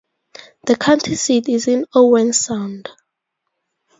The county seat is in Owen Sound.